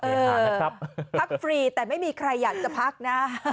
พักฟรีแต่ไม่มีใครอยากจะพักนะ